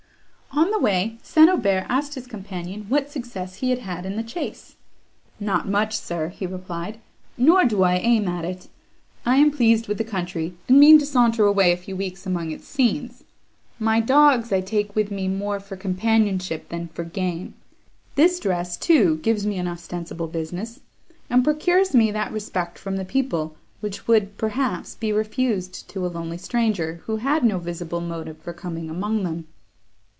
On the way, St. Aubert asked his companion what success he had had in the chase. "Not much, sir," he replied, "nor do I aim at it. I am pleased with the country, and mean to saunter away a few weeks among its scenes. My dogs I take with me more for companionship than for game. This dress, too, gives me an ostensible business, and procures me that respect from the people, which would, perhaps, be refused to a lonely stranger, who had no visible motive for coming among them."